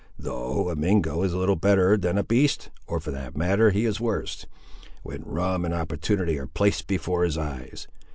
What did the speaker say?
Though, a Mingo is little better than a beast; or, for that matter, he is worse, when rum and opportunity are placed before his eyes.